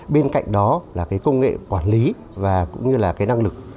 bên cạnh đó là cái công nghệ quản lý và cũng như là cái năng lực